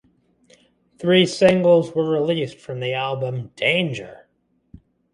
Three singles were released from the album: Danger!